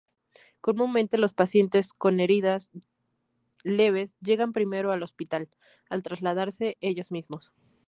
Comúnmente, los pacientes con heridas leves llegan primero al hospital, al trasladarse ellos mismos.